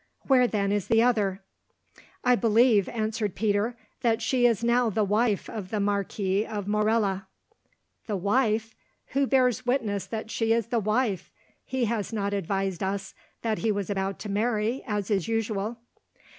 Where then is the other?" "I believe," answered Peter, "that she is now the wife of the Marquis of Morella." "The wife! Who bears witness that she is the wife? He has not advised us that he was about to marry, as is usual."